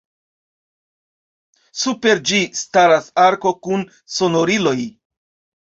Super ĝi staras arko kun sonoriloj.